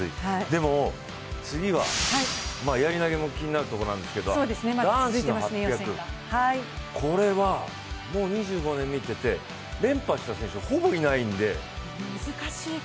でも、次は、やり投も気になるところなんですけど、男子８００これはもう２５年見てて連覇した選手ほぼいないんで。